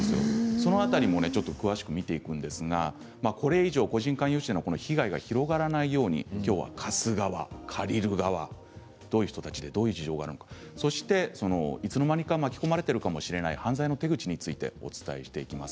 その辺りも詳しく見ていくんですがこれ以上個人間融資の被害が広がらないように今日は貸す側借りる側、どういう人たちでどういう事情があるのかいつの間にか巻き込まれているかもしれない犯罪の手口についてお伝えします。